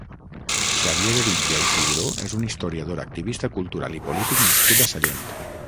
Xavier Eritja i Ciuró és un historiador, activista cultural i polític nascut a Sallent.